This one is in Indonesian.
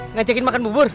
ngajakin makan bubur